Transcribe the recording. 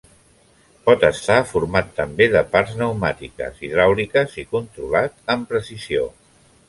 Pot estar format també de parts pneumàtiques, hidràuliques i controlat amb precisió.